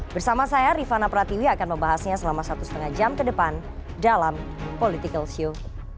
bersama saya rifana pratiwi akan membahasnya selama satu lima jam ke depan dalam political show